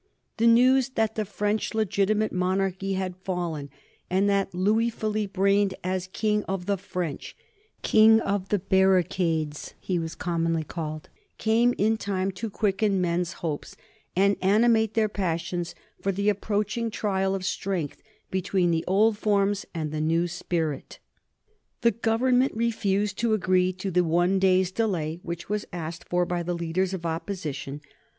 The news that the French legitimate monarchy had fallen and that Louis Philippe reigned as King of the French King of the barricades he was commonly called came in time to quicken men's hopes and animate their passions for the approaching trial of strength between the old forms and the new spirit. The Government refused to agree to the one day's delay which was asked for by the leaders of Opposition.